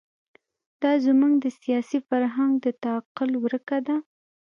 دا زموږ د سیاسي فرهنګ د تعقل ورکه ده.